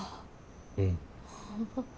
うん。